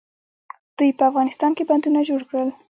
دوی په افغانستان کې بندونه جوړ کړل.